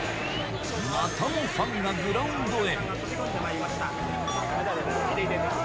またもファンがグラウンドへ。